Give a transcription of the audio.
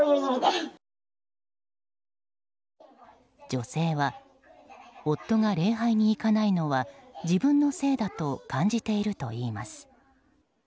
女性は夫が礼拝に行かないのは自分のせいだと感じているといいます。